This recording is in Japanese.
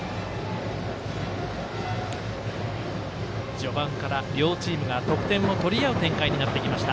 序盤から、両チームが得点を取り合う展開になってきました。